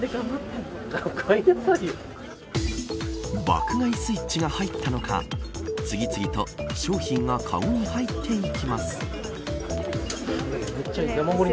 爆買いスイッチが入ったのか次々と商品がかごに入っていきます。